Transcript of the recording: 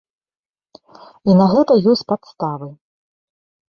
І на гэта ёсць падставы.